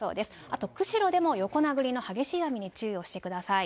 あと釧路でも横殴りの激しい雨に注意をしてください。